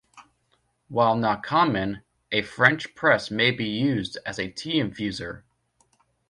While not common, a French press may be used as a tea infuser.